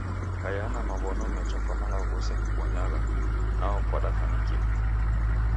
Kaiya na maw'ono mecha kwa malagho ghose kubonyagha, nao kudafanikilwa.